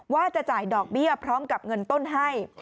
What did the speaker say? ว่าจะจ่ายดอกเบี้ยพร้อมกับเงินต้นให้